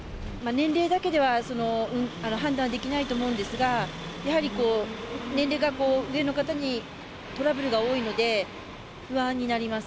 年齢だけでは判断できないと思うんですが、やはり年齢が上の方にトラブルが多いので、不安になります。